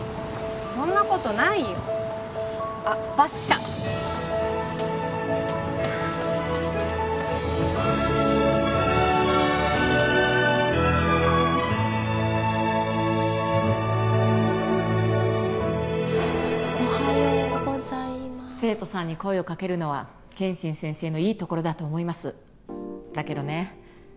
そんなことないよあっバス来たおはようございます生徒さんに声をかけるのは健心先生のいいところだと思いますだけどね